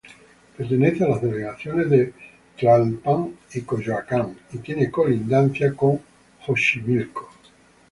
Pertenece a las delegaciones de Tlalpan y Coyoacán y tiene colindancia con Xochimilco.